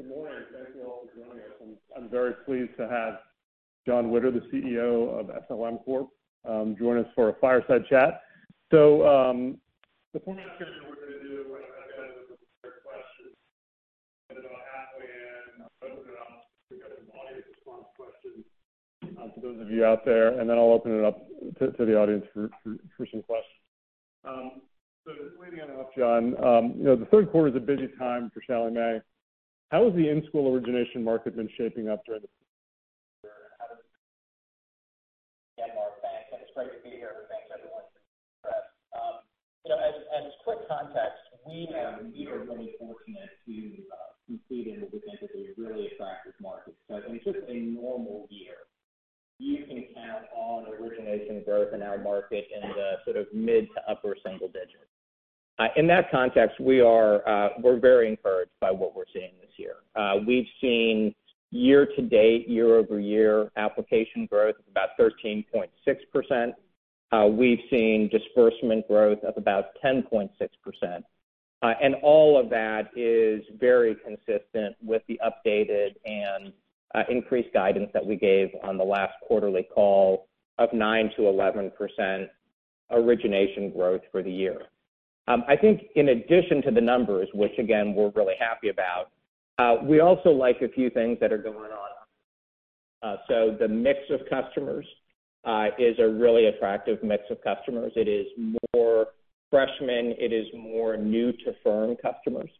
Good morning. Thank you all for joining us. I'm very pleased to have Jon Witter, the CEO of SLM Corp., join us for a fireside chat. The format here, what we're gonna do, I've got some prepared questions. Then about halfway in, I'll open it up so we've got some audience response questions for those of you out there, and then I'll open it up to the audience for some questions. Leading it off, Jon, you know, the third quarter's a busy time for Sallie Mae. How has the in-school origination market been shaping up during the quarter, and how does- Yeah, Mark. Thanks, and it's great to be here, and thanks everyone for joining us. You know, as quick context, we are really fortunate to compete in what we think is a really attractive market. In just a normal year, you can count on origination growth in our market in the sort of mid to upper single digits. In that context, we're very encouraged by what we're seeing this year. We've seen year-to-date, year-over-year application growth about 13.6%. We've seen disbursement growth of about 10.6%. All of that is very consistent with the updated and increased guidance that we gave on the last quarterly call of 9%-11% origination growth for the year. I think in addition to the numbers, which again, we're really happy about, we also like a few things that are going on. The mix of customers is a really attractive mix of customers. It is more freshmen, it is more new to firm customers.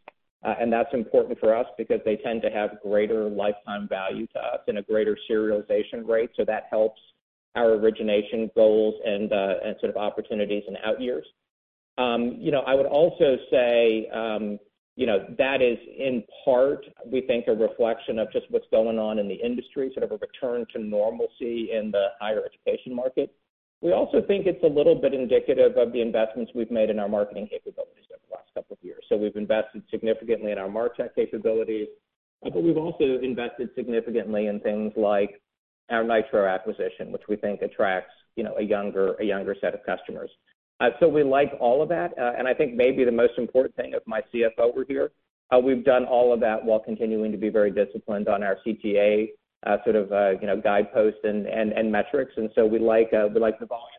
That's important for us because they tend to have greater lifetime value to us and a greater serialization rate, so that helps our origination goals and sort of opportunities in outyears. You know, I would also say, you know, that is in part we think a reflection of just what's going on in the industry, sort of a return to normalcy in the higher education market. We also think it's a little bit indicative of the investments we've made in our marketing capabilities over the last couple of years. We've invested significantly in our martech capabilities, but we've also invested significantly in things like our Nitro acquisition, which we think attracts, you know, a younger set of customers. We like all of that. I think maybe the most important thing if my CFO were here, we've done all of that while continuing to be very disciplined on our CTA, sort of, you know, guideposts and metrics. We like the volumes.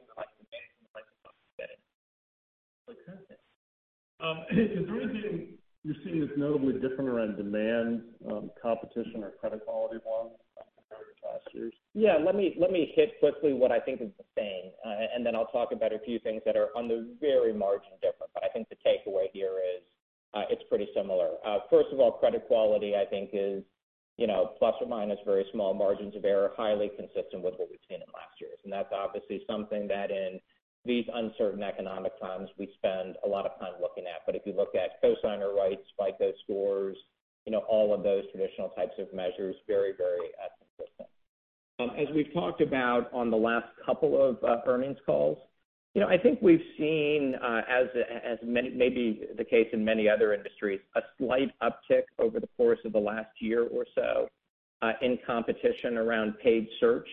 Is there anything you're seeing that's notably different around demand, competition or credit quality-wise from last year? Yeah, let me hit quickly what I think is the same, and then I'll talk about a few things that are on the very margin different. I think the takeaway here is, it's pretty similar. First of all, credit quality I think is, you know, plus or minus very small margins of error, highly consistent with what we've seen in last year's. That's obviously something that in these uncertain economic times we spend a lot of time looking at. If you look at cosigner rates, FICO scores, you know, all of those traditional types of measures, very, very consistent. As we've talked about on the last couple of earnings calls, you know, I think we've seen, as may be the case in many other industries, a slight uptick over the course of the last year or so, in competition around paid search.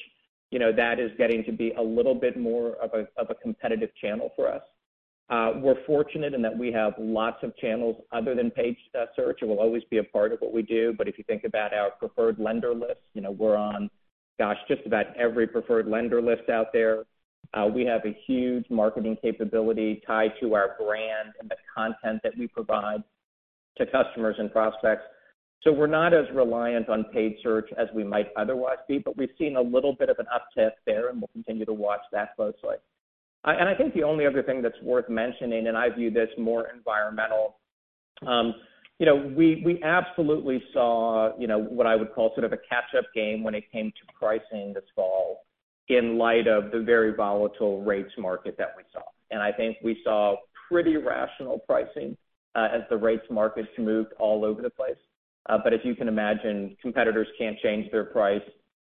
You know, that is getting to be a little bit more of a competitive channel for us. We're fortunate in that we have lots of channels other than paid search. It will always be a part of what we do. If you think about our preferred lender list, you know, we're on, gosh, just about every preferred lender list out there. We have a huge marketing capability tied to our brand and the content that we provide to customers and prospects. We're not as reliant on paid search as we might otherwise be, but we've seen a little bit of an uptick there, and we'll continue to watch that closely. I think the only other thing that's worth mentioning, and I view this more environmental, you know, we absolutely saw, you know, what I would call sort of a catch-up game when it came to pricing this fall in light of the very volatile rates market that we saw. I think we saw pretty rational pricing, as the rates market moved all over the place. As you can imagine, competitors can't change their price,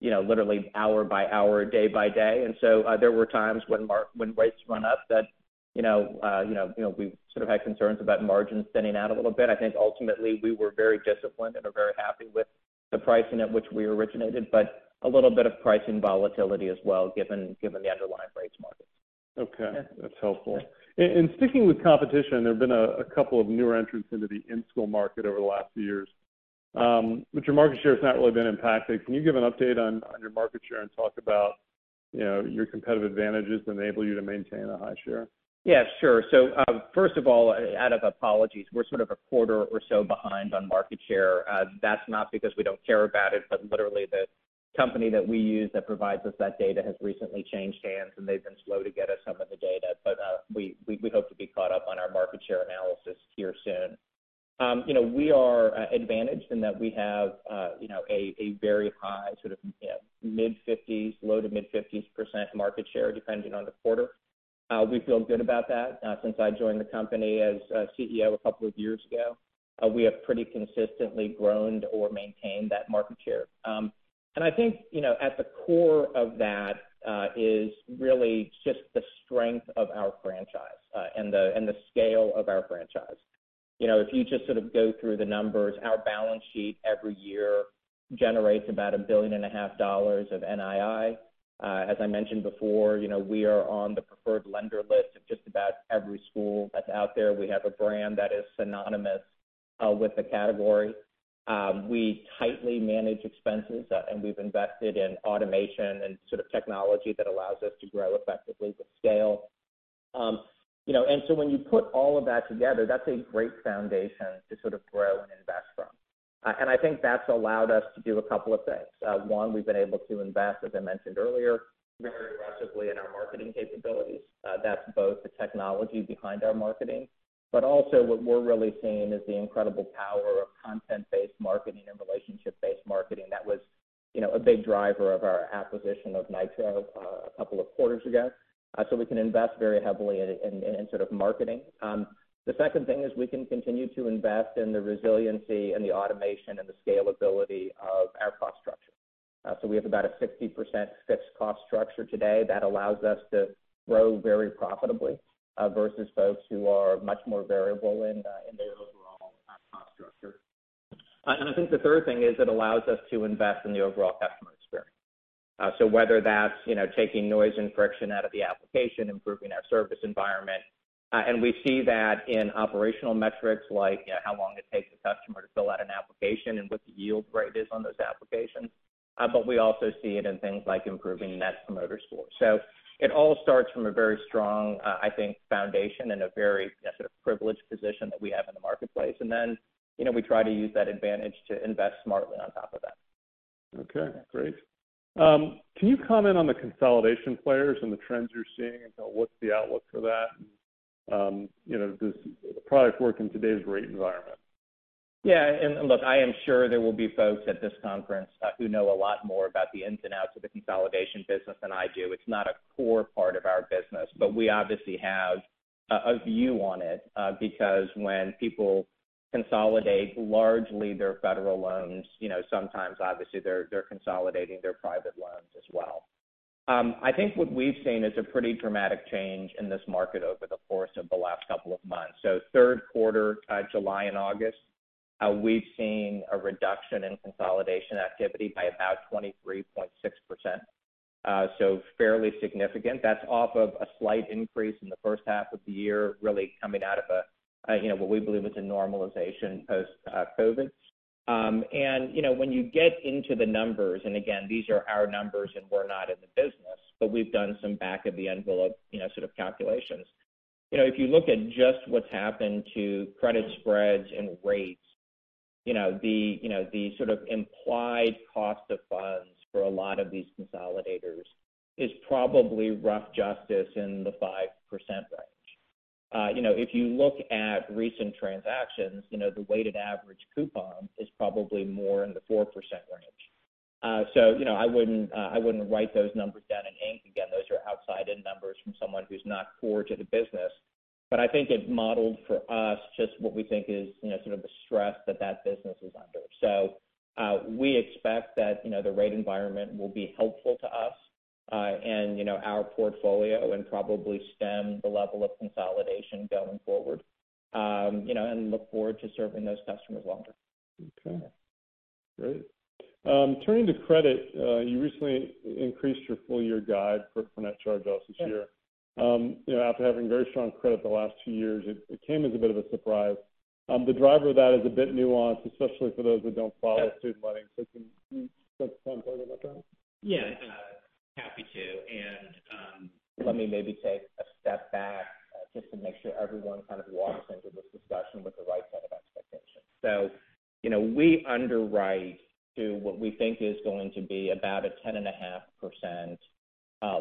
you know, literally hour by hour, day by day. There were times when rates run up that, you know, we sort of had concerns about margins thinning out a little bit. I think ultimately we were very disciplined and are very happy with the pricing at which we originated, but a little bit of pricing volatility as well, given the underlying rates market. Okay. That's helpful. In sticking with competition, there have been a couple of newer entrants into the in-school market over the last few years, but your market share has not really been impacted. Can you give an update on your market share and talk about, you know, your competitive advantages that enable you to maintain a high share? Yeah, sure. First of all, our apologies, we're sort of a quarter or so behind on market share. That's not because we don't care about it, but literally the company that we use that provides us that data has recently changed hands, and they've been slow to get us some of the data. We hope to be caught up on our market share analysis here soon. You know, we are advantaged in that we have you know, a very high sort of mid-50s, low- to mid-50s% market share, depending on the quarter. We feel good about that. Since I joined the company as CEO a couple of years ago, we have pretty consistently grown or maintained that market share. I think, you know, at the core of that, is really just the strength of our franchise, and the scale of our franchise. You know, if you just sort of go through the numbers, our balance sheet every year generates about $1.5 billion of NII. As I mentioned before, you know, we are on the preferred lender list of just about every school that's out there. We have a brand that is synonymous with the category. We tightly manage expenses, and we've invested in automation and sort of technology that allows us to grow effectively with scale. You know, when you put all of that together, that's a great foundation to sort of grow and invest from. I think that's allowed us to do a couple of things. One, we've been able to invest, as I mentioned earlier, very aggressively in our marketing capabilities. That's both the technology behind our marketing, but also what we're really seeing is the incredible power of content-based marketing and relationship-based marketing that was, you know, a big driver of our acquisition of Nitro, a couple of quarters ago. We can invest very heavily in sort of marketing. The second thing is we can continue to invest in the resiliency and the automation and the scalability of our cost structure. We have about a 60% fixed cost structure today that allows us to grow very profitably, versus folks who are much more variable in their overall cost structure. I think the third thing is it allows us to invest in the overall customer experience. Whether that's, you know, taking noise and friction out of the application, improving our service environment, and we see that in operational metrics like, you know, how long it takes a customer to fill out an application and what the yield rate is on those applications. We also see it in things like improving Net Promoter scores. It all starts from a very strong, I think, foundation and a very sort of privileged position that we have in the marketplace. Then, you know, we try to use that advantage to invest smartly on top of that. Okay, great. Can you comment on the consolidation players and the trends you're seeing and what's the outlook for that? You know, does the product work in today's rate environment? Yeah. Look, I am sure there will be folks at this conference, who know a lot more about the ins and outs of the consolidation business than I do. It's not a core part of our business, but we obviously have a view on it, because when people consolidate largely their federal loans, you know, sometimes obviously they're consolidating their private loans as well. I think what we've seen is a pretty dramatic change in this market over the course of the last couple of months. Third quarter, July and August, we've seen a reduction in consolidation activity by about 23.6%. Fairly significant. That's off of a slight increase in the first half of the year, really coming out of a, you know, what we believe is a normalization post, COVID. You know, when you get into the numbers, and again, these are our numbers, and we're not in the business, but we've done some back of the envelope, you know, sort of calculations. You know, if you look at just what's happened to credit spreads and rates, you know, the sort of implied cost of funds for a lot of these consolidators is probably rough justice in the 5% range. You know, if you look at recent transactions, you know, the weighted average coupon is probably more in the 4% range. So, you know, I wouldn't write those numbers down in ink. Again, those are outside in numbers from someone who's not core to the business. I think it modeled for us just what we think is, you know, sort of the stress that that business is under. We expect that, you know, the rate environment will be helpful to us, and, you know, our portfolio, and probably stem the level of consolidation going forward, you know, and look forward to serving those customers longer. Okay, great. Turning to credit, you recently increased your full year guide for net charge-offs this year. You know, after having very strong credit the last two years, it came as a bit of a surprise. The driver of that is a bit nuanced, especially for those who don't follow student lending. Can you spend some time talking about that? Yeah, happy to. Let me maybe take a step back, just to make sure everyone kind of walks into this discussion with the right set of expectations. You know, we underwrite to what we think is going to be about a 10.5%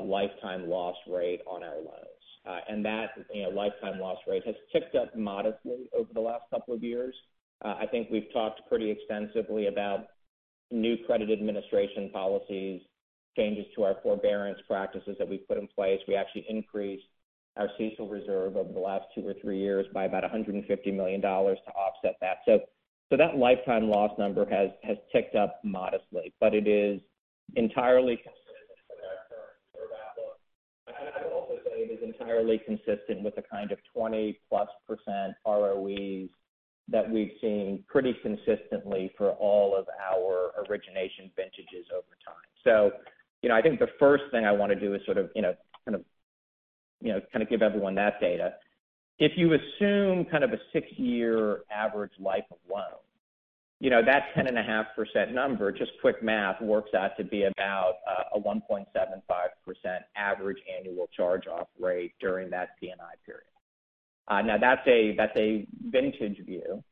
lifetime loss rate on our loans. That lifetime loss rate has ticked up modestly over the last couple of years. I think we've talked pretty extensively about new credit administration policies, changes to our forbearance practices that we put in place. We actually increased our CECL reserve over the last two or three years by about $150 million to offset that. That lifetime loss number has ticked up modestly, but it is entirely consistent with our current reserve outlook. I'd also say it is entirely consistent with the kind of 20%+ ROEs that we've seen pretty consistently for all of our origination vintages over time. You know, I think the first thing I wanna do is sort of, you know, kind of, you know, kind of give everyone that data. If you assume kind of a six-year average life of loan, you know, that 10.5% number, just quick math, works out to be about, a 1.75% average annual charge-off rate during that C&I period. Now that's a vintage view,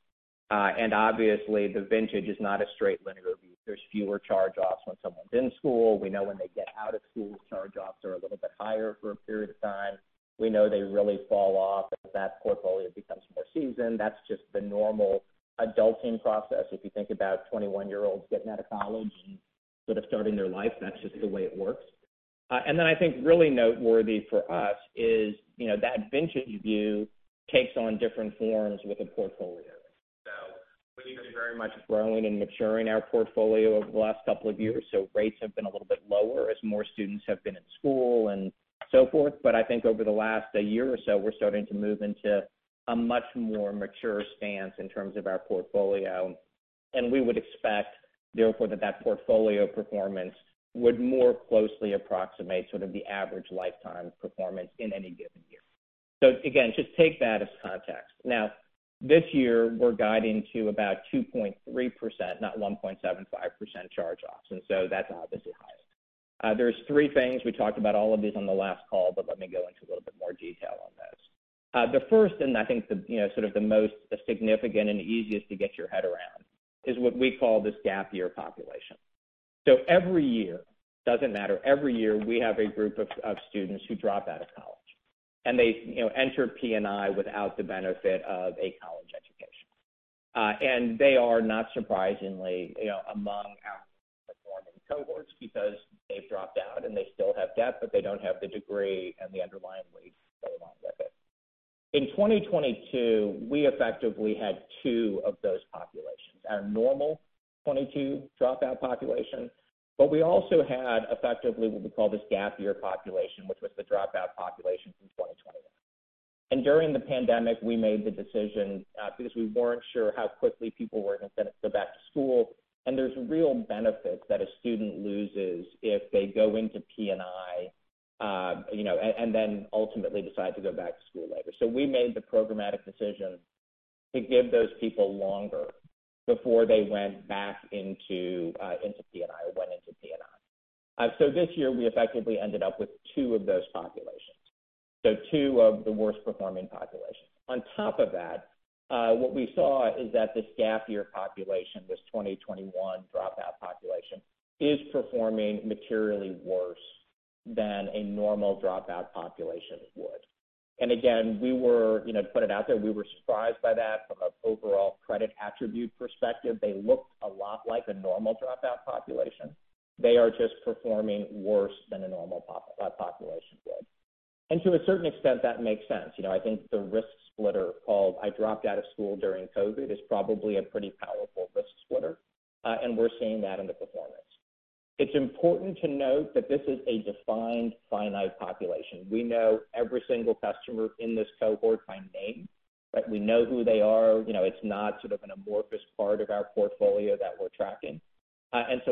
and obviously, the vintage is not a straight linear view. There's fewer charge-offs when someone's in school. We know when they get out of school, charge-offs are a little bit higher for a period of time. We know they really fall off as that portfolio becomes more seasoned. That's just the normal adulting process. If you think about 21-year-olds getting out of college and sort of starting their life, that's just the way it works. I think really noteworthy for us is, you know, that vintage view takes on different forms with a portfolio. We've been very much growing and maturing our portfolio over the last couple of years, so rates have been a little bit lower as more students have been in school and so forth. I think over the last year or so, we're starting to move into a much more mature stance in terms of our portfolio. We would expect, therefore, that portfolio performance would more closely approximate sort of the average lifetime performance in any given year. Again, just take that as context. Now, this year we're guiding to about 2.3%, not 1.75% charge-offs, and so that's obviously high. There's three things. We talked about all of these on the last call, but let me go into a little bit more detail on those. The first, and I think the, you know, sort of the most significant and easiest to get your head around, is what we call this gap year population. Every year, doesn't matter, every year, we have a group of students who drop out of college and they, you know, enter P&I without the benefit of a college education. They are not surprisingly, you know, among our non-performing cohorts because they've dropped out and they still have debt, but they don't have the degree and the underlying wage that goes along with it. In 2022, we effectively had two of those populations, our normal 2022 dropout population, but we also had, effectively, what we call this gap year population, which was the dropout population from 2021. During the pandemic, we made the decision, because we weren't sure how quickly people were gonna go back to school, and there's real benefits that a student loses if they go into P&I, you know, and then ultimately decide to go back to school later. We made the programmatic decision to give those people longer before they went back into P&I. This year we effectively ended up with two of those populations, two of the worst performing populations. On top of that, what we saw is that this gap year population, this 2021 dropout population, is performing materially worse than a normal dropout population would. Again, you know, to put it out there, we were surprised by that. From an overall credit attribute perspective, they looked a lot like a normal dropout population. They are just performing worse than a normal population would. To a certain extent, that makes sense. You know, I think the risk splitter called, "I dropped out of school during COVID" is probably a pretty powerful risk splitter. We're seeing that in the performance. It's important to note that this is a defined finite population. We know every single customer in this cohort by name, right? We know who they are. You know, it's not sort of an amorphous part of our portfolio that we're tracking.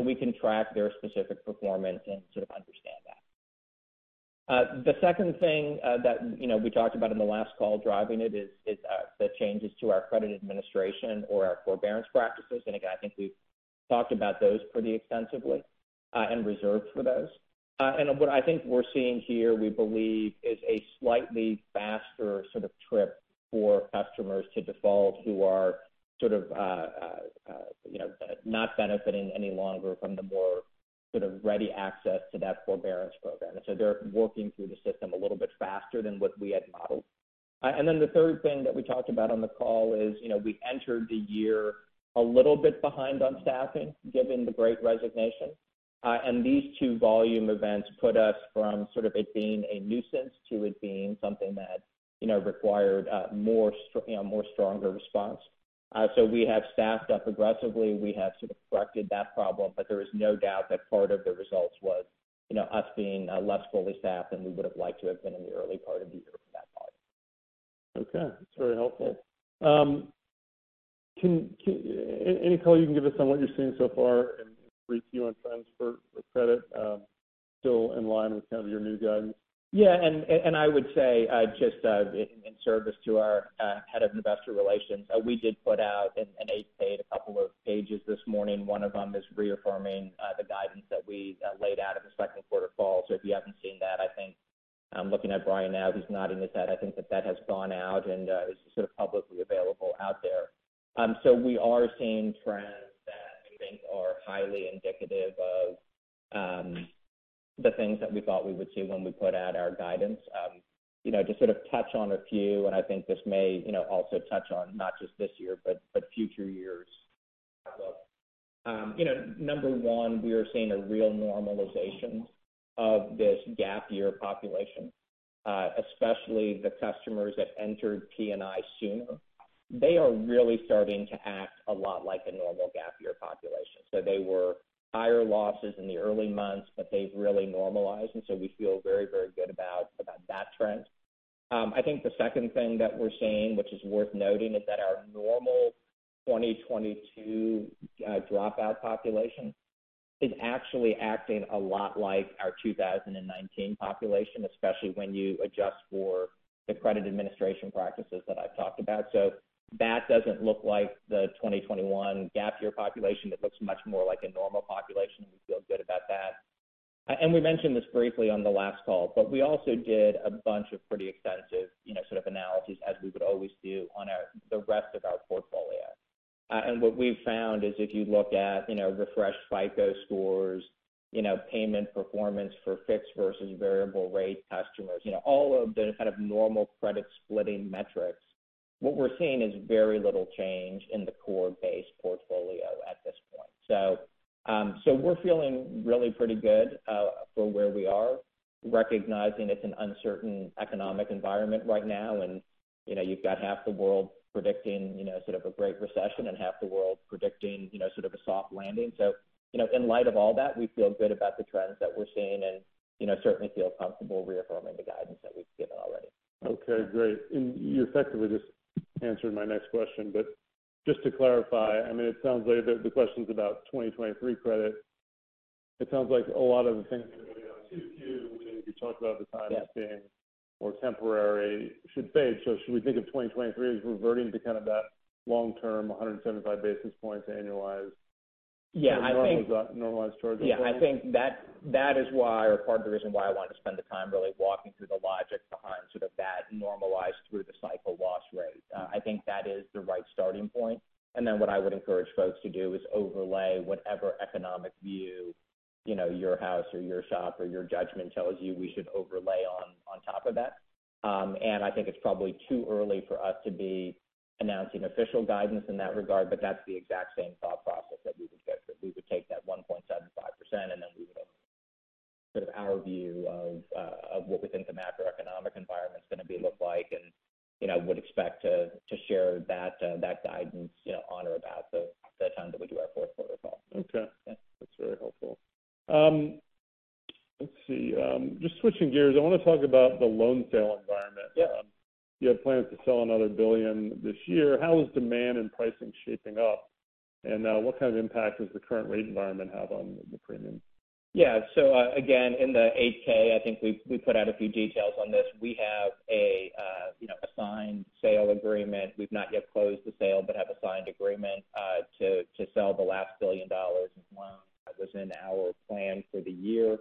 We can track their specific performance and sort of understand that. The second thing that you know we talked about in the last call driving it is the changes to our credit administration or our forbearance practices. Again, I think we've talked about those pretty extensively and reserved for those. What I think we're seeing here, we believe is a slightly faster sort of trip for customers to default who are sort of you know not benefiting any longer from the more sort of ready access to that forbearance program. They're working through the system a little bit faster than what we had modeled. The third thing that we talked about on the call is, you know, we entered the year a little bit behind on staffing, given the Great Resignation. These two volume events put us from sort of it being a nuisance to it being something that, you know, required, you know, more stronger response. We have staffed up aggressively. We have sort of corrected that problem. There is no doubt that part of the results was, you know, us being, less fully staffed than we would've liked to have been in the early part of the year for that part. Okay, that's very helpful. Any color you can give us on what you're seeing so far in preview and trends for credit? Still in line with kind of your new guidance. Yeah, I would say, just in service to our head of investor relations, we did put out an eight-page, a couple of pages this morning. One of them is reaffirming the guidance that we laid out in the second quarter call. If you haven't seen that, I think I'm looking at Brian now. He's nodding his head. I think that has gone out and is sort of publicly available out there. We are seeing trends that we think are highly indicative of the things that we thought we would see when we put out our guidance. You know, to sort of touch on a few, and I think this may, you know, also touch on not just this year, but future years as well. You know, number one, we are seeing a real normalization of this gap year population, especially the customers that entered P&I sooner. They are really starting to act a lot like a normal gap year population. They were higher losses in the early months, but they've really normalized, and so we feel very, very good about that trend. I think the second thing that we're seeing, which is worth noting, is that our normal 2022 dropout population is actually acting a lot like our 2019 population, especially when you adjust for the credit administration practices that I've talked about. That doesn't look like the 2021 gap year population. It looks much more like a normal population. We feel good about that. We mentioned this briefly on the last call, but we also did a bunch of pretty extensive, you know, sort of analyses as we would always do on the rest of our portfolio. What we've found is if you look at, you know, refreshed FICO scores, you know, payment performance for fixed versus variable rate customers, you know, all of the kind of normal credit splitting metrics, what we're seeing is very little change in the core base portfolio at this point. We're feeling really pretty good for where we are, recognizing it's an uncertain economic environment right now. You know, you've got half the world predicting, you know, sort of a great recession and half the world predicting, you know, sort of a soft landing. you know, in light of all that, we feel good about the trends that we're seeing and, you know, certainly feel comfortable reaffirming the guidance that we've given already. Okay, great. You effectively just answered my next question, but just to clarify, I mean, it sounds like the question's about 2023 credit. It sounds like a lot of the things are going on too, which you talked about the timing being more temporary should fade. Should we think of 2023 as reverting to kind of that long-term 175 basis points annualized? Yeah. I think. Normalized charge. Yeah. I think that is why or part of the reason why I wanted to spend the time really walking through the logic behind sort of that normalized through the cycle loss rate. I think that is the right starting point. Then what I would encourage folks to do is overlay whatever economic view, you know, your house or your shop or your judgment tells you we should overlay on top of that. I think it's probably too early for us to be announcing official guidance in that regard, but that's the exact same thought process that we would get. We would take that 1.75%, and then we would sort of our view of what we think the macroeconomic environment's gonna look like and, you know, would expect to share that guidance, you know, on or about the time that we do our fourth quarter call. Okay. That's very helpful. Let's see. Just switching gears, I wanna talk about the loan sale environment. Yeah. You have plans to sell another $1 billion this year. How is demand and pricing shaping up? What kind of impact does the current rate environment have on the premium? Yeah. Again, in the 8-K, I think we put out a few details on this. We have an asset sale agreement. We've not yet closed the sale, but have an asset sale agreement to sell the last $1 billion in loans that was in our plan for the year.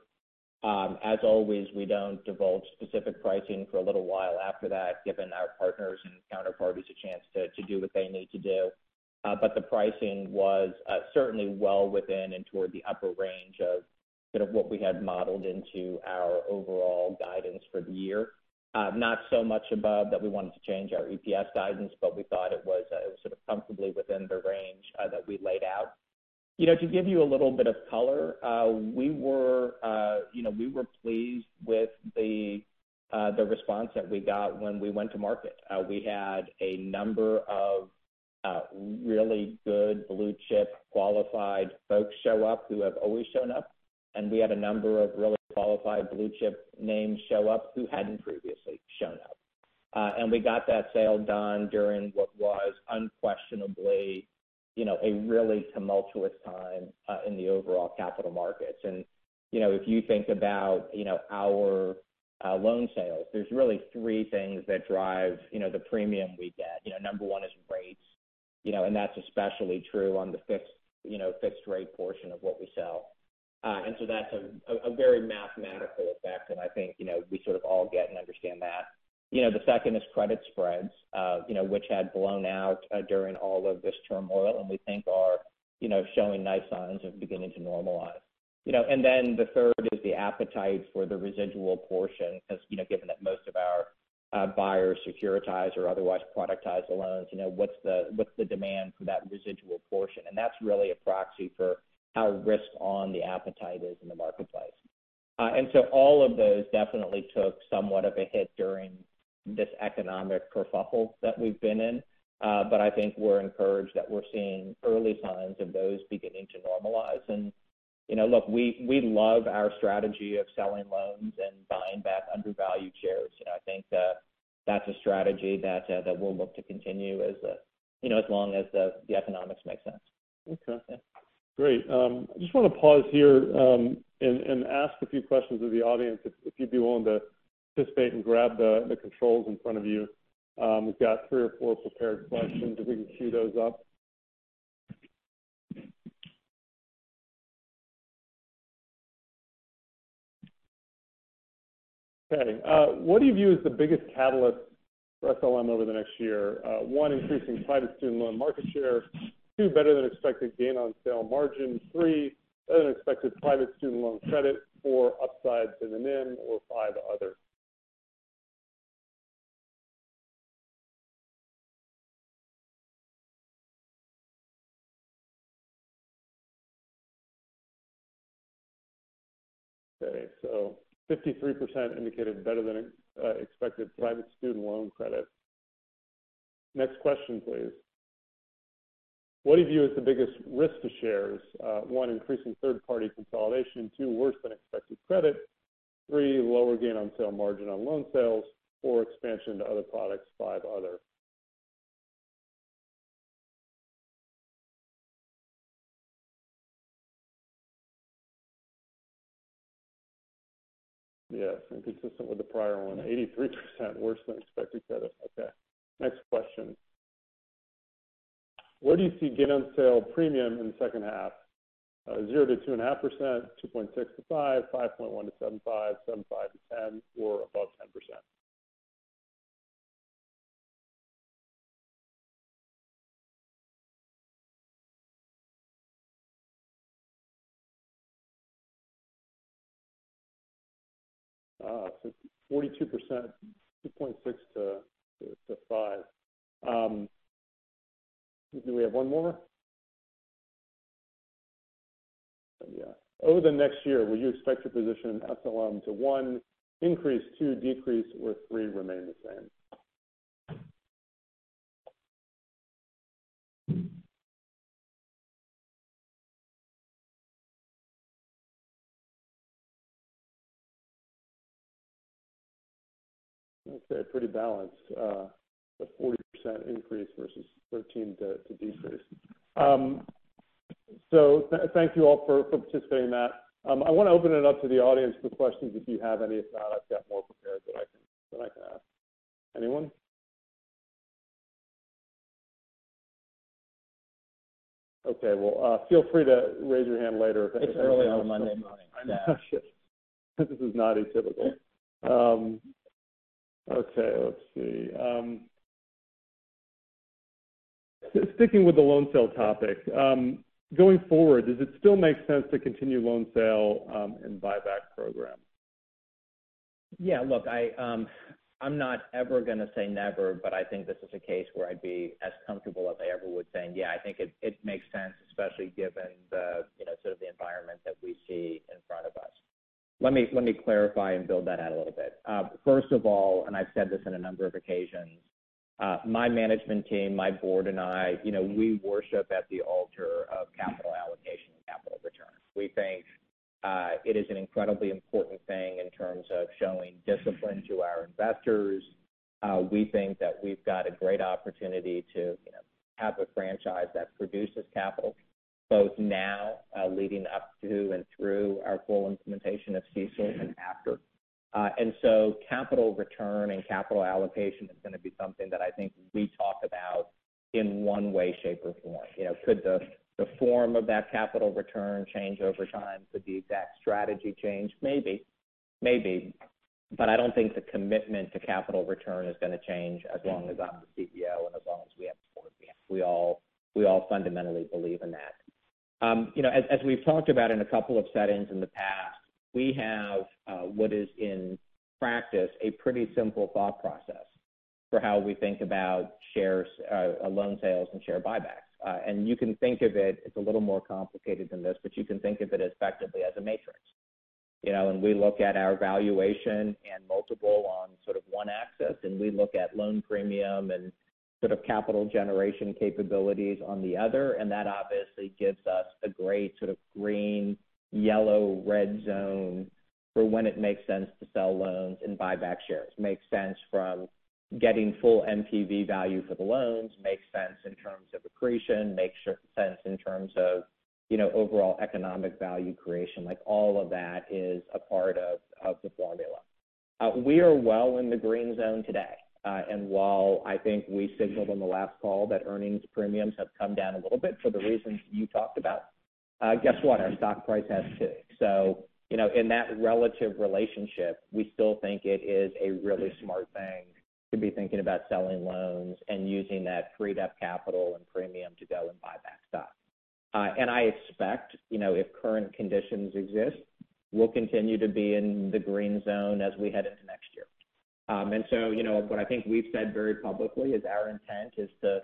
As always, we don't divulge specific pricing for a little while after that, giving our partners and counterparties a chance to do what they need to do. The pricing was certainly well within and toward the upper range of sort of what we had modeled into our overall guidance for the year. Not so much above that we wanted to change our EPS guidance, but we thought it was sort of comfortably within the range that we laid out. You know, to give you a little bit of color, we were pleased with the response that we got when we went to market. We had a number of really good blue chip qualified folks show up who have always shown up, and we had a number of really qualified blue chip names show up who hadn't previously shown up. We got that sale done during what was unquestionably, you know, a really tumultuous time in the overall capital markets. You know, if you think about, you know, our loan sales, there's really three things that drive, you know, the premium we get. You know, number one is rates. You know, that's especially true on the fixed, you know, fixed rate portion of what we sell. That's a very mathematical effect. I think, you know, we sort of all get and understand that. You know, the second is credit spreads, you know, which had blown out during all of this turmoil and we think are, you know, showing nice signs of beginning to normalize. You know, the third is the appetite for the residual portion because, you know, given that most of our buyers securitize or otherwise productize the loans. You know, what's the demand for that residual portion? That's really a proxy for how risk-on appetite is in the marketplace. All of those definitely took somewhat of a hit during this economic kerfuffle that we've been in. I think we're encouraged that we're seeing early signs of those beginning to normalize. You know, look, we love our strategy of selling loans and buying back undervalued shares. You know, I think that that's a strategy that we'll look to continue as, you know, as long as the economics make sense. Okay. Great. I just want to pause here and ask a few questions of the audience, if you'd be willing to participate and grab the controls in front of you. We've got three or four prepared questions. If we can queue those up. Okay. What do you view as the biggest catalyst for SLM over the next year? One, increasing private student loan market share. Two, better than expected gain on sale margin. Three, better than expected private student loan credit. Four, upside to NIM. Or five, other. Okay. So 53% indicated better than expected private student loan credit. Next question, please. What do you view as the biggest risk to shares? One, increasing third-party consolidation. Two, worse than expected credit. Three, lower gain on sale margin on loan sales. Four, expansion to other products. Five, other. Yes, inconsistent with the prior one. 83% worse than expected credit. Okay, next question. Where do you see gain on sale premium in the second half? 0%-2.5%, 2.6%-5%, 5.1%-7.5%, 7.5%-10%, or above 10%? So 42%, 2.6%-5%. Do we have one more? Yeah. Over the next year, will you expect your position in SLM to, one, increase, three, decrease, or, three, remain the same? I'd say pretty balanced. A 40% increase versus 13% to decrease. So thank you all for participating in that. I wanna open it up to the audience for questions if you have any. If not, I've got more prepared that I can ask. Anyone? Okay. Well, feel free to raise your hand later if. It's early on a Monday morning, so. Yes. This is not atypical. Okay, let's see. Sticking with the loan sale topic, going forward, does it still make sense to continue loan sale and buyback program? Yeah. Look, I'm not ever gonna say never, but I think this is a case where I'd be as comfortable as I ever would saying, yeah, I think it makes sense, especially given the, you know, sort of the environment that we see in front of us. Let me clarify and build that out a little bit. First of all, I've said this in a number of occasions, my management team, my board and I, you know, we worship at the altar of capital allocation and capital return. We think it is an incredibly important thing in terms of showing discipline to our investors. We think that we've got a great opportunity to, you know, have a franchise that produces capital, both now, leading up to and through our full implementation of CECL and after. Capital return and capital allocation is gonna be something that I think we talk about in one way, shape or form. You know, could the form of that capital return change over time? Could the exact strategy change? Maybe. But I don't think the commitment to capital return is gonna change as long as I'm the CEO and as long as we have the board we have. We all fundamentally believe in that. You know, as we've talked about in a couple of settings in the past, we have what is in practice a pretty simple thought process for how we think about shares, loan sales and share buybacks. You can think of it's a little more complicated than this, but you can think of it effectively as a matrix. You know, we look at our valuation and multiple on sort of one axis, and we look at loan premium and sort of capital generation capabilities on the other, and that obviously gives us a great sort of green, yellow, red zone for when it makes sense to sell loans and buy back shares. Makes sense from getting full NPV value for the loans, makes sense in terms of accretion, makes sense in terms of, you know, overall economic value creation. Like, all of that is a part of the formula. We are well in the green zone today. While I think we signaled on the last call that earnings premiums have come down a little bit for the reasons you talked about, guess what? Our stock price has too. You know, in that relative relationship, we still think it is a really smart thing to be thinking about selling loans and using that freed-up capital and premium to go and buy back stock. I expect, you know, if current conditions exist, we'll continue to be in the green zone as we head into next year. You know, what I think we've said very publicly is our intent is to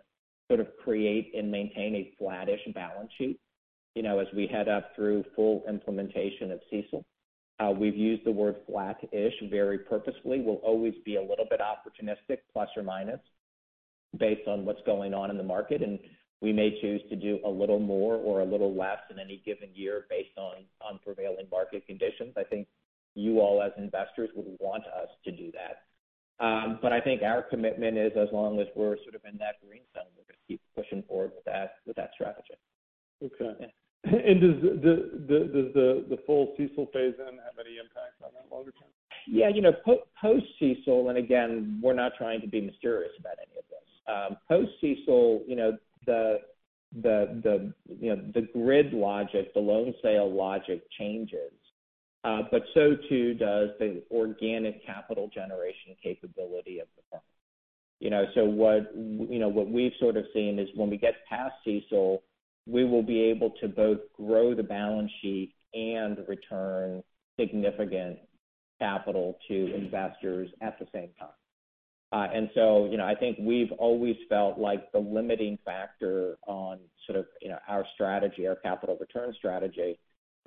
sort of create and maintain a flattish balance sheet, you know, as we head up through full implementation of CECL. We've used the word flattish very purposefully. We'll always be a little bit opportunistic, plus or minus, based on what's going on in the market, and we may choose to do a little more or a little less in any given year based on prevailing market conditions. I think you all as investors would want us to do that. I think our commitment is as long as we're sort of in that green zone, we're gonna keep pushing forward with that, with that strategy. Okay. Does the full CECL phase-in have any impact on that longer term? Yeah, you know, post-CECL, and again, we're not trying to be mysterious about any of this. Post-CECL, you know, the credit logic, the loan sale logic changes, but so too does the organic capital generation capability of the firm. You know, so what, you know, what we've sort of seen is when we get past CECL, we will be able to both grow the balance sheet and return significant capital to investors at the same time. You know, I think we've always felt like the limiting factor on sort of, you know, our strategy, our capital return strategy,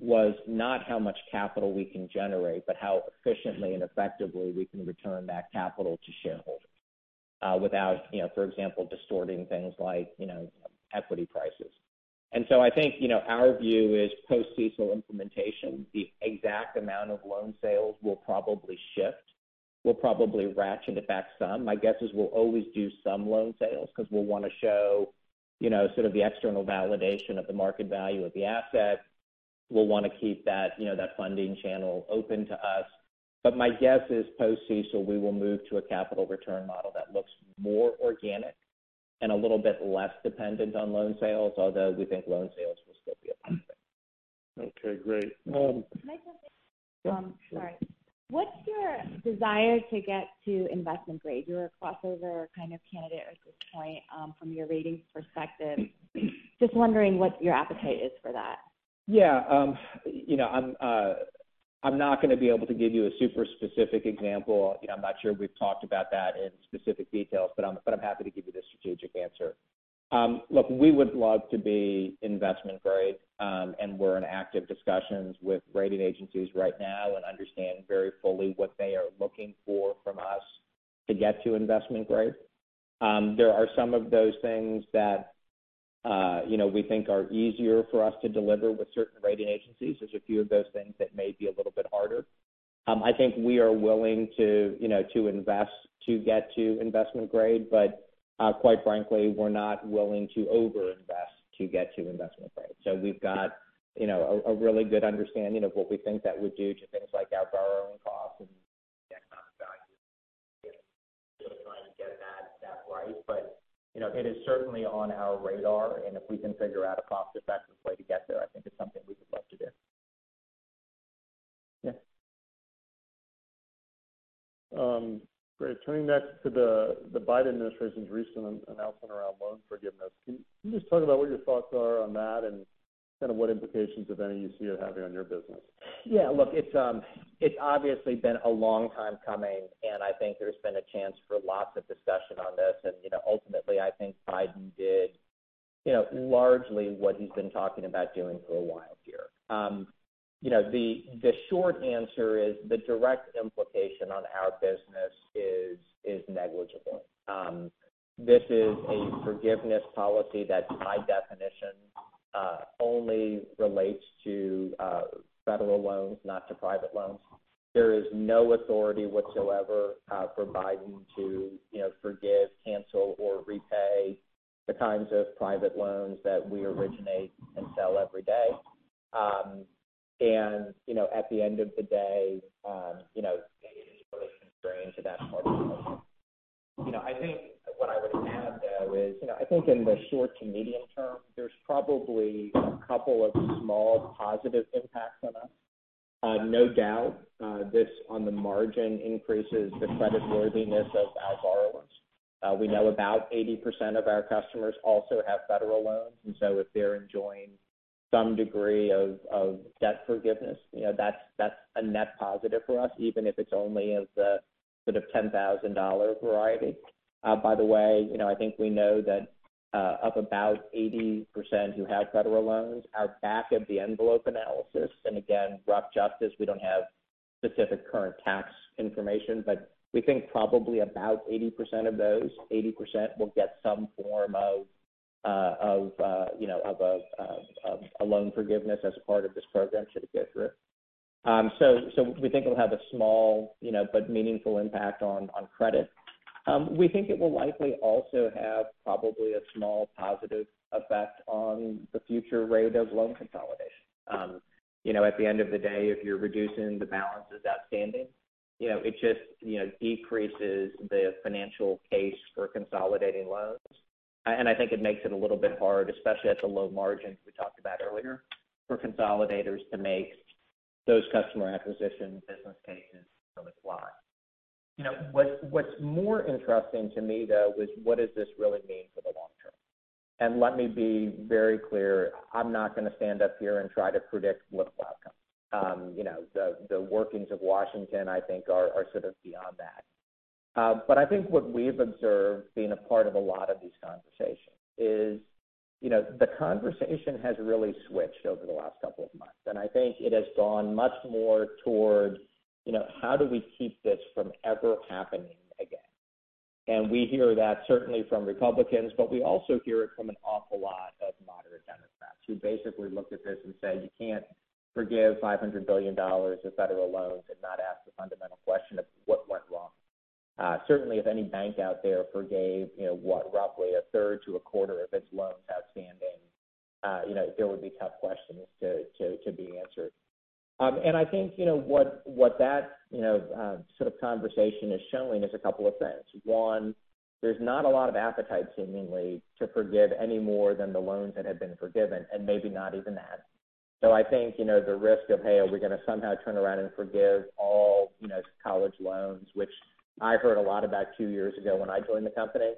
was not how much capital we can generate, but how efficiently and effectively we can return that capital to shareholders, without, you know, for example, distorting things like, you know, equity prices. I think, you know, our view is post-CECL implementation, the exact amount of loan sales will probably shift. We'll probably ratchet it back some. My guess is we'll always do some loan sales because we'll wanna show, you know, sort of the external validation of the market value of the asset. We'll wanna keep that, you know, that funding channel open to us. My guess is post-CECL, we will move to a capital return model that looks more organic and a little bit less dependent on loan sales, although we think loan sales will still be a part of it. Okay, great. Can I jump in? Sure. Sorry. What's your desire to get to investment grade? You're a crossover kind of candidate at this point, from your ratings perspective. Just wondering what your appetite is for that. Yeah. You know, I'm not gonna be able to give you a super specific example. You know, I'm not sure we've talked about that in specific details, but I'm happy to give you the strategic answer. Look, we would love to be investment grade, and we're in active discussions with rating agencies right now, and we know very well what they are looking for from us to get to investment grade. There are some of those things that, you know, we think are easier for us to deliver with certain rating agencies. There's a few of those things that may be a little bit harder. I think we are willing to, you know, to invest to get to investment grade, but, quite frankly, we're not willing to overinvest to get to investment grade. We've got, you know, a really good understanding of what we think that would do to things like our borrowing costs and economic value. Just trying to get that right. But, you know, it is certainly on our radar, and if we can figure out a cost-effective way to get there, I think it's something we would love to do. Yeah. Great. Turning next to the Biden administration's recent announcement around loan forgiveness. Can you just talk about what your thoughts are on that and kind of what implications, if any, you see it having on your business? Yeah. Look, it's obviously been a long time coming, and I think there's been a chance for lots of discussion on this. You know, ultimately, I think Biden did, you know, largely what he's been talking about doing for a while here. You know, the short answer is the direct implication on our business is negligible. This is a forgiveness policy that by definition only relates to federal loans, not to private loans. There is no authority whatsoever for Biden to, you know, forgive, cancel, or repay the kinds of private loans that we originate and sell every day. You know, at the end of the day, you know, it is really constrained to that part. You know, I think what I would add though is, you know, I think in the short to medium term, there's probably a couple of small positive impacts on us. No doubt, this on the margin increases the creditworthiness of our borrowers. We know about 80% of our customers also have federal loans, and so if they're enjoying some degree of debt forgiveness, you know, that's a net positive for us, even if it's only of the sort of $10,000 variety. By the way, you know, I think we know that, of about 80% who have federal loans, our back-of-the-envelope analysis, and again, rough justice, we don't have specific current tax information, but we think probably about 80% of those will get some form of, you know, a loan forgiveness as a part of this program should it go through. We think it'll have a small, you know, but meaningful impact on credit. We think it will likely also have probably a small positive effect on the future rate of loan consolidation. You know, at the end of the day, if you're reducing the balances outstanding, you know, it just, you know, decreases the financial case for consolidating loans. I think it makes it a little bit hard, especially at the low margins we talked about earlier, for consolidators to make those customer acquisition business cases really fly. You know, what's more interesting to me though is what does this really mean for the long term? Let me be very clear, I'm not gonna stand up here and try to predict political outcomes. You know, the workings of Washington, I think are sort of beyond that. I think what we've observed being a part of a lot of these conversations is, you know, the conversation has really switched over the last couple of months. I think it has gone much more towards, you know, how do we keep this from ever happening again? We hear that certainly from Republicans, but we also hear it from an awful lot of moderate Democrats who basically looked at this and said, "You can't forgive $500 billion of federal loans and not ask the fundamental question of what went wrong." Certainly if any bank out there forgave, you know, what, roughly a third to a quarter of its loans outstanding, you know, there would be tough questions to be answered. I think, you know, what that, you know, sort of conversation is showing is a couple of things. One, there's not a lot of appetite seemingly to forgive any more than the loans that have been forgiven, and maybe not even that. I think, you know, the risk of, hey, are we gonna somehow turn around and forgive all, you know, college loans, which I heard a lot about two years ago when I joined the company.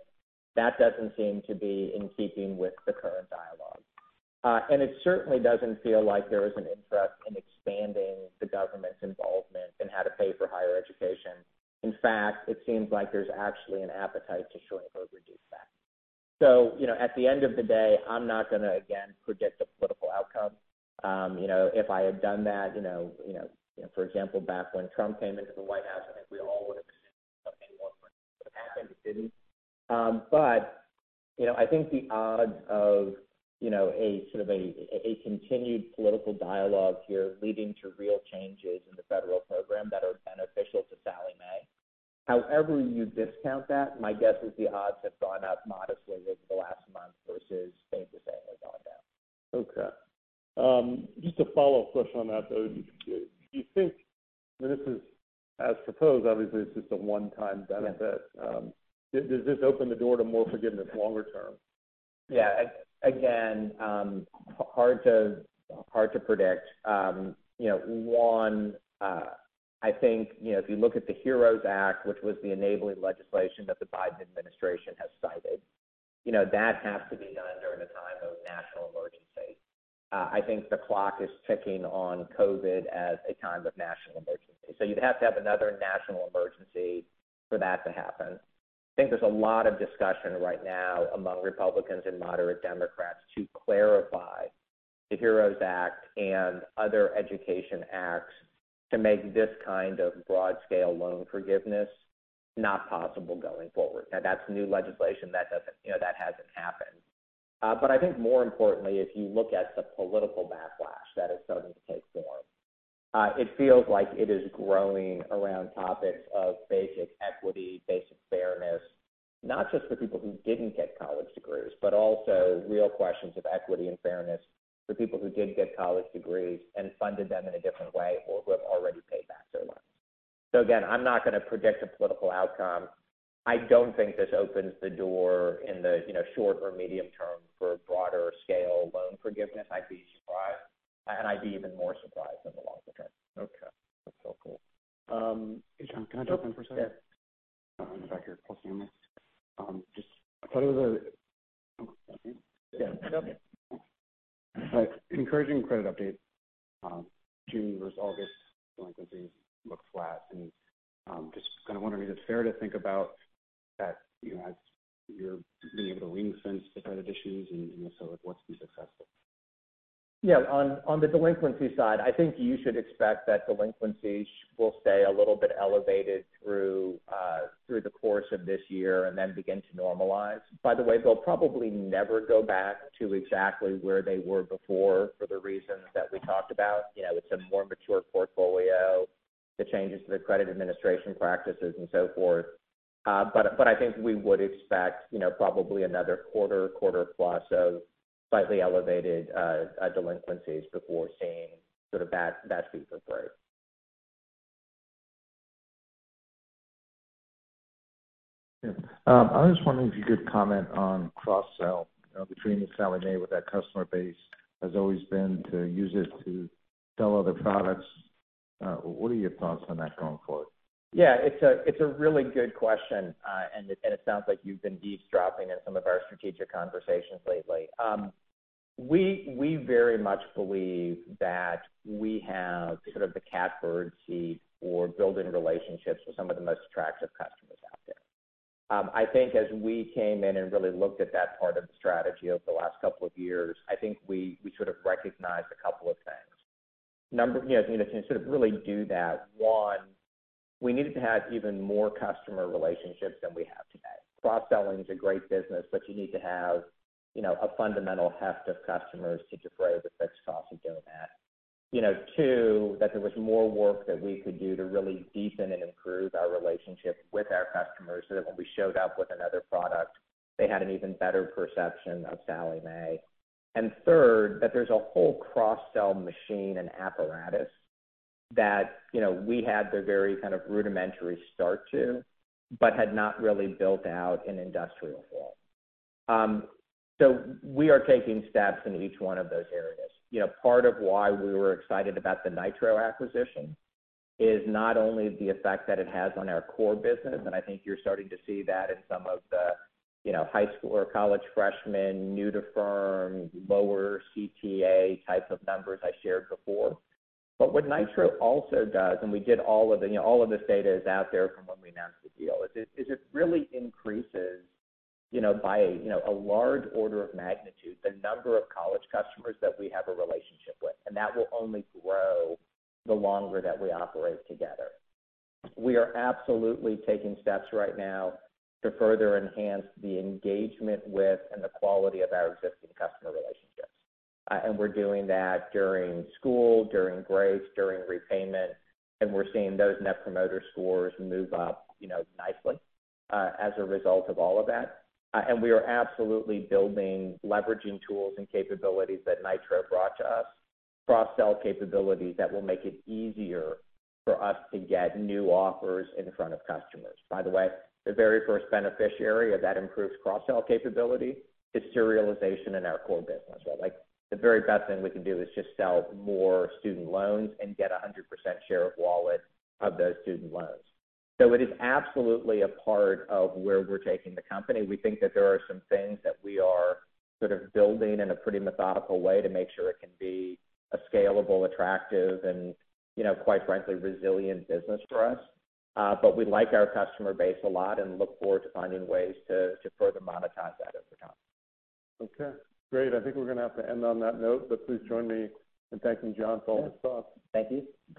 That doesn't seem to be in keeping with the current dialogue. It certainly doesn't feel like there is an interest in expanding the government's involvement in how to pay for higher education. In fact, it seems like there's actually an appetite to shrink or reduce that. You know, at the end of the day, I'm not gonna, again, predict the political outcome. You know, if I had done that, you know, for example, back when Trump came into the White House, I think we all would've assumed something more. Okay. Just a follow-up question on that though. Do you think this is as proposed, obviously it's just a one-time benefit. Does this open the door to more forgiveness longer term? Yeah. Again, hard to predict. You know, I think, you know, if you look at the HEROES Act, which was the enabling legislation that the Biden administration has cited, you know, that has to be done during a time of national emergency. I think the clock is ticking on COVID as a time of national emergency. So you'd have to have another national emergency for that to happen. I think there's a lot of discussion right now among Republicans and moderate Democrats to clarify the HEROES Act and other education acts to make this kind of broad scale loan forgiveness not possible going forward. Now that's new legislation that doesn't, you know, that hasn't happened. I think more importantly, if you look at the political backlash that is starting to take form, it feels like it is growing around topics of basic equity, basic fairness, not just for people who didn't get college degrees, but also real questions of equity and fairness for people who did get college degrees and funded them in a different way, or who have already paid back their loans. Again, I'm not gonna predict a political outcome. I don't think this opens the door in the, you know, short or medium term for broader scale loan forgiveness. I'd be surprised, and I'd be even more surprised in the long term. Okay. That's so cool. Jon, can I jump in for a second? Yeah. Back here, Yeah. Encouraging credit update. June versus August delinquencies look flat and just kind of wondering if it's fair to think about that, you know, as you're being able to ring-fence the credit issues and, you know, so it wants to be successful. Yeah. On the delinquency side, I think you should expect that delinquencies will stay a little bit elevated through the course of this year and then begin to normalize. By the way, they'll probably never go back to exactly where they were before for the reasons that we talked about. You know, it's a more mature portfolio, the changes to the credit administration practices and so forth. But I think we would expect, you know, probably another quarter plus of slightly elevated delinquencies before seeing sort of that sweep of play. Yeah. I was wondering if you could comment on cross-sell, you know, between the Sallie Mae with that customer base has always been to use it to sell other products. What are your thoughts on that going forward? Yeah. It's a really good question. It sounds like you've been eavesdropping in some of our strategic conversations lately. We very much believe that we have sort of the catbird seat for building relationships with some of the most attractive customers out there. I think as we came in and really looked at that part of the strategy over the last couple of years, I think we sort of recognized a couple of things. Number one, you know, to sort of really do that, we needed to have even more customer relationships than we have today. Cross-selling is a great business, but you need to have, you know, a fundamental heft of customers to defray the fixed cost of doing that. You know, two, that there was more work that we could do to really deepen and improve our relationship with our customers, so that when we showed up with another product, they had an even better perception of Sallie Mae. Third, that there's a whole cross-sell machine and apparatus that, you know, we had the very kind of rudimentary start to, but had not really built out in industrial form. So we are taking steps in each one of those areas. You know, part of why we were excited about the Nitro acquisition is not only the effect that it has on our core business, and I think you're starting to see that in some of the, you know, high school or college freshmen, new to firm, lower CTA type of numbers I shared before. What Nitro also does, you know, all of this data is out there from when we announced the deal, is that it really increases, you know, by, you know, a large order of magnitude, the number of college customers that we have a relationship with, and that will only grow the longer that we operate together. We are absolutely taking steps right now to further enhance the engagement with and the quality of our existing customer relationships. We're doing that during school, during grace, during repayment, and we're seeing those Net Promoter Scores move up, you know, nicely, as a result of all of that. We are absolutely building and leveraging tools and capabilities that Nitro brought to us, cross-sell capabilities that will make it easier for us to get new offers in front of customers. By the way, the very first beneficiary of that improved cross-sell capability is serialization in our core business. Like, the very best thing we can do is just sell more student loans and get 100% share of wallet of those student loans. It is absolutely a part of where we're taking the company. We think that there are some things that we are sort of building in a pretty methodical way to make sure it can be a scalable, attractive and, you know, quite frankly, resilient business for us. We like our customer base a lot and look forward to finding ways to further monetize that over time. Okay. Great. I think we're gonna have to end on that note, but please join me in thanking Jon for all his thoughts. Thank you.